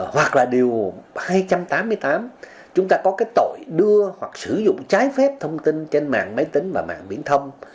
hoặc là điều hai trăm tám mươi tám chúng ta có cái tội đưa hoặc sử dụng trái phép thông tin trên mạng máy tính và mạng viễn thông